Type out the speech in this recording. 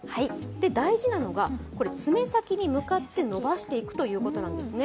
大事なのが、爪先に向かってのばしていくということなんですね。